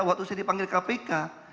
waktu saya dipanggil kpk